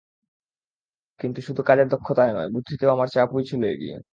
কিন্তু শুধু কাজের দক্ষতায় নয়, বুদ্ধিতেও আমার চেয়ে আপুই ছিল এগিয়ে।